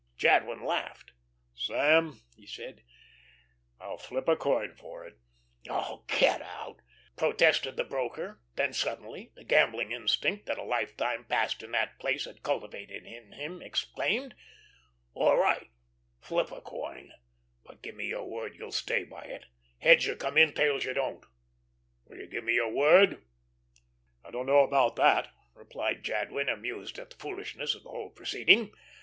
Jadwin laughed. "Sam," he said, "I'll flip a coin for it." "Oh, get out," protested the broker; then suddenly the gambling instinct that a lifetime passed in that place had cultivated in him exclaimed: "All right. Flip a coin. But give me your word you'll stay by it. Heads you come in; tails you don't. Will you give me your word?" "Oh, I don't know about that," replied Jadwin, amused at the foolishness of the whole proceeding.